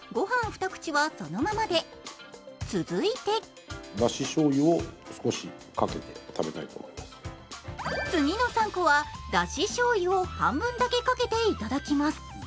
一口はそのままで、続いて次の３個は出汁しょうゆを半分だけかけていただきます。